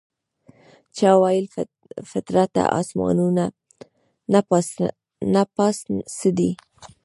چا ویل فطرته اسمانونو نه پاس څه دي؟